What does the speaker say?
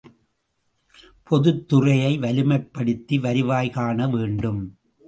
பொதுத் துறையை வலிமைப்படுத்தி வருவாய் காண வேண்டும்.